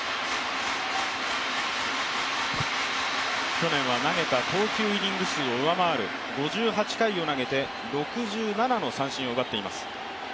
去年は投げた投球イニング数を上回る５８回を投げて６７の三振を奪っています。